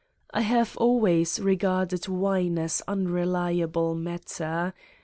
I have always regarded wine as unreliable matter.